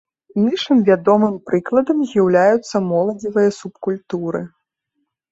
Іншым вядомым прыкладам з'яўляюцца моладзевыя субкультуры.